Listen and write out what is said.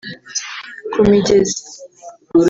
ku migezi